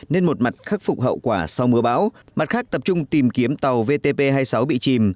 nên một mặt khắc phục hậu quả sau mưa bão mặt khác tập trung tìm kiếm tàu vtp hai mươi sáu bị chìm